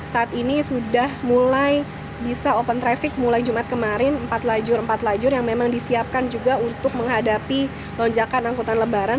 saat ini sudah mulai bisa open traffic mulai jumat kemarin empat lajur empat lajur yang memang disiapkan juga untuk menghadapi lonjakan angkutan lebaran